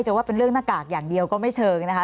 ว่าเป็นเรื่องหน้ากากอย่างเดียวก็ไม่เชิงนะคะ